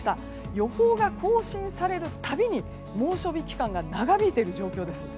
予報が更新されるたびに猛暑日期間が長引いている状況です。